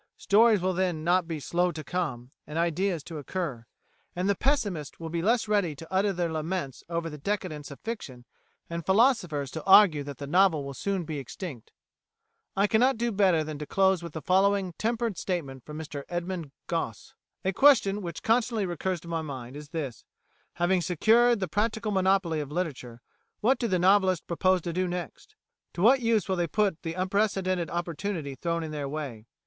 Stories will then not be slow to "come" and ideas to "occur"; and the pessimists will be less ready to utter their laments over the decadence of fiction and philosophers to argue that the novel will soon become extinct. I cannot do better than close with the following tempered statement from Mr Edmund Gosse: "A question which constantly recurs to my mind is this: Having secured the practical monopoly of literature, what do the novelists propose to do next? To what use will they put the unprecedented opportunity thrown in their way?